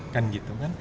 kan gitu kan